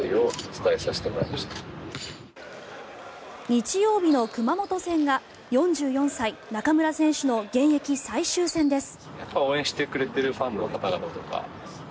日曜日の熊本戦が４４歳、中村選手の現役最終戦です。